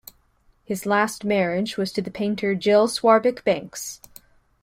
His last marriage was to the painter Jill Swarbrick-Banks.